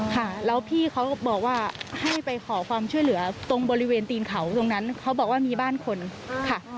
ค่ะแล้วพี่เขาบอกว่าให้ไปขอความช่วยเหลือตรงบริเวณตีนเขาตรงนั้นเขาบอกว่ามีบ้านคนค่ะ